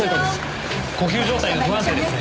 呼吸状態が不安定ですね。